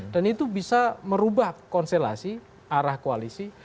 dan itu bisa merubah konselasi arah koalisi